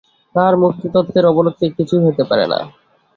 তাহার মুক্তিতত্ত্বের অবরোধক কিছুই হইতে পারে না।